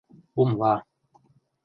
УМЛА